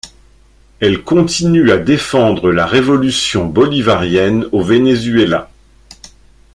Elle continue à défendre la révolution bolivarienne au Venezuela.